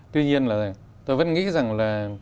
tuy nhiên là tôi vẫn nghĩ rằng là